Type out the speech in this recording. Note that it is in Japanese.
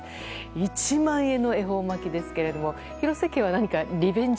１万円の恵方巻ですけれども廣瀬家は、何かリベンジ